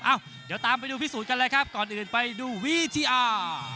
เอ้าเดี๋ยวตามไปดูพิสูจน์กันเลยครับก่อนอื่นไปดูวิทยา